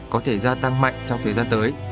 có thể gia tăng mạnh trong thời gian tới